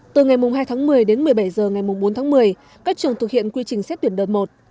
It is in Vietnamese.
từ ngày hai tháng một mươi đến một mươi bảy h ngày bốn tháng một mươi các trường thực hiện quy trình xét tuyển đợt một